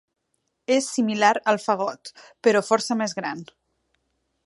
És similar al fagot, però força més gran.